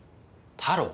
太郎？